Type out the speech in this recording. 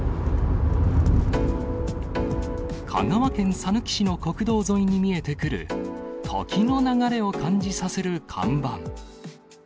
香川県さぬき市の国道沿いに見えてくる、時の流れを感じさせる看板。